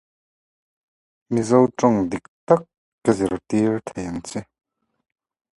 Eccles was often referred to as being something other than an ordinary human.